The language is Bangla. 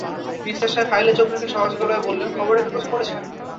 মিনিস্টার সাহেব ফাইলে চোখ রেখে সহজ গলায় বললেন, খবরের কাগজ পড়েছেন?